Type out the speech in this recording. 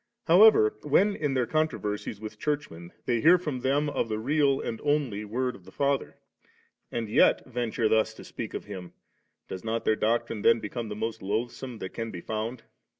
However, when in their contro versies with Churchmen they hear from them of the real and only Word of the Father, and yet venture thus to speak of Him, does not their doctrine then become the most loathsome that can be found?